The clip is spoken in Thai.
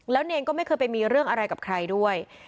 เนรก็ไม่เคยไปมีเรื่องอะไรกับใครด้วย